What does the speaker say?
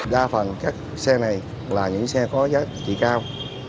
đa phần các xe này là những xe có giá trị cao